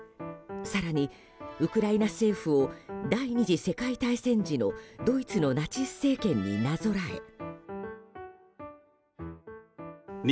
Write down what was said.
更にウクライナ政府を第２次世界大戦時のドイツのナチス政権になぞらえ。